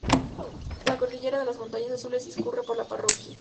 La cordillera de las montañas azules discurre por la parroquia.